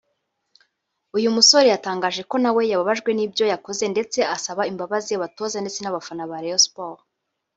uyu musore yatangaje ko nawe yababajwe nibyo yakoze ndetse asaba imbabazi abatoza ndetse n’abafana ba Rayon Sports